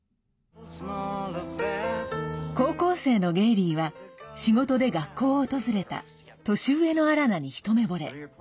高校生のゲイリーは仕事で学校を訪れた年上のアラナに一目ぼれ。